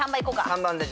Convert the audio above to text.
３番で。